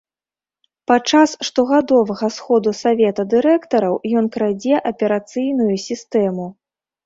Падчас штогадовага сходу савета дырэктараў ён крадзе аперацыйную сістэму.